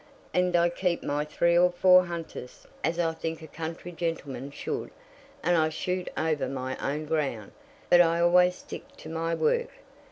And I keep my three or four hunters, as I think a country gentleman should; and I shoot over my own ground. But I always stick to my work.